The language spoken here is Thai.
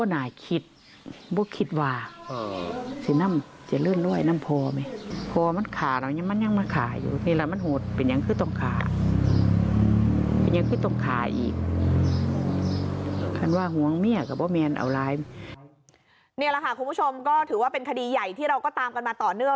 นี่แหละค่ะคุณผู้ชมก็ถือว่าเป็นคดีใหญ่ที่เราก็ตามกันมาต่อเนื่อง